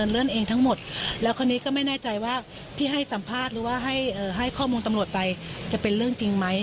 เลื่อนเองทั้งหมดแล้วคราวนี้ก็ไม่แน่ใจว่าที่ให้สัมภาษณ์หรือว่าให้ข้อมูลตำรวจไปจะเป็นเรื่องจริงไหม